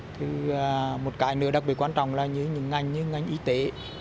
thì một cái nữa đặc biệt quan trọng là như những ngành như ngành y tế